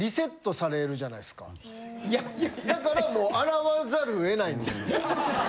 だから洗わざるをえないんです。